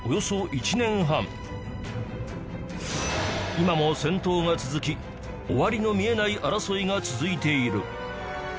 今も戦闘が続き終わりの見えない争いが続いている